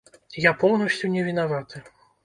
Я поўнасцю не вінаваты.